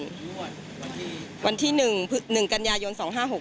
งวดวันที่๑กันยายน๒๕๖๖